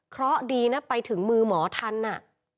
เพราะดีนะไปถึงมือหมอทันอ่ะ